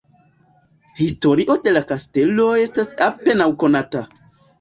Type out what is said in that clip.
Historio de la kastelo estas apenaŭ konata.